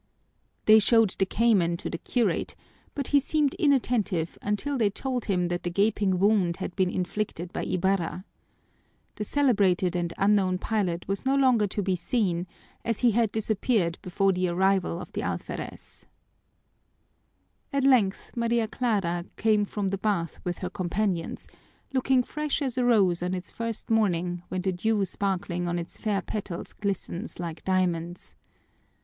They showed the cayman to the curate, but he seemed inattentive until they told him that the gaping wound had been inflicted by Ibarra. The celebrated and unknown pilot was no longer to be seen, as he had disappeared before the arrival of the alferez. At length Maria Clara came from the bath with her companions, looking fresh as a rose on its first morning when the dew sparkling on its fair petals glistens like diamonds.